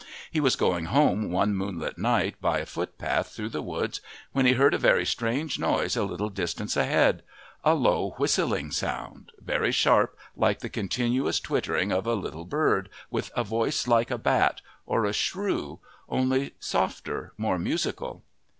He was going home one moonlight night by a footpath through the woods when he heard a very strange noise a little distance ahead, a low whistling sound, very sharp, like the continuous twittering of a little bird with a voice like a bat, or a shrew, only softer, more musical.